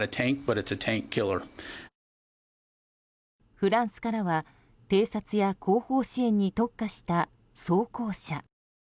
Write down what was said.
フランスからは、偵察や後方支援に特化した装甲車。